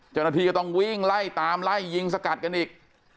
เจ้าหน้าที่ก็ต้องวิ่งไล่ตามไล่ยิงสกัดกันอีก